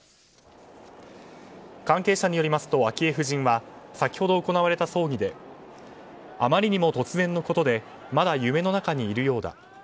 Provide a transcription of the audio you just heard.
関係者によりますと昭恵夫人は先ほど行われた葬儀であまりにも突然のことでまだ夢の中にいるようだ。